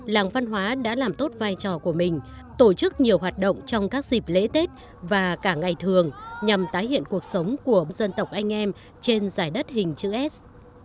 làng văn hóa đã làm tốt vai trò của mình tổ chức nhiều hoạt động trong các dịp lễ tết và cả ngày thường nhằm tái hiện cuộc sống của dân tộc anh em trên giải đất hình chữ s